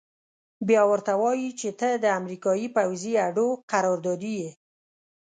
بيا ورته وايي چې ته د امريکايي پوځي اډو قراردادي يې.